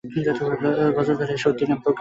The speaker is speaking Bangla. বজ্রধরের এ শক্তির নাম প্রজ্ঞাপারমিতা।